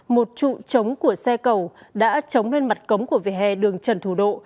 một trụ trống của xe cầu đã trống lên mặt cống của vỉa hè đường trần thủ độ